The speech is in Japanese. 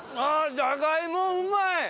じゃがいもうまい！